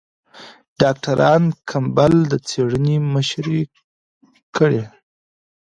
ډاکټر کمپبل د څېړنې مشري کړې.